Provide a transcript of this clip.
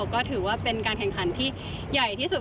ก็ถือว่าเป็นการแข่งขันที่ใหญ่ที่สุด